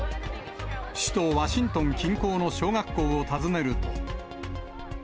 首都ワシントン近郊の小学校を訪ねると。